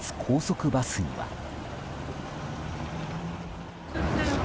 高速バスには。